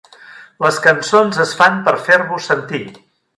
Les cançons es fan per fer-vos sentir.